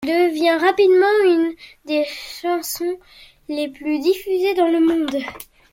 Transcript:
Elle devient rapidement une des chansons les plus diffusées dans le monde.